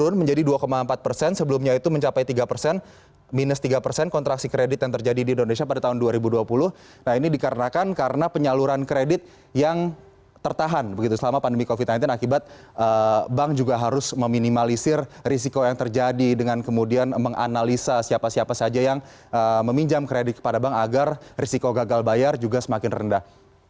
nah ini dikarenakan karena penyaluran kredit yang tertahan begitu selama pandemi covid sembilan belas akibat bank juga harus meminimalisir risiko yang terjadi dengan kemudian menganalisa siapa siapa saja yang meminjam kredit kepada bank agar risiko gagal bayar juga semakin rendah